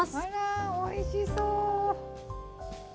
あらおいしそう！